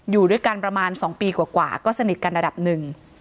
อยู่ด้วยกันประมาณ๒ปีกว่าก็สนิทกันระดับหนึ่ง